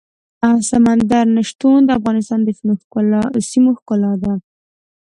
سمندر نه شتون د افغانستان د شنو سیمو ښکلا ده.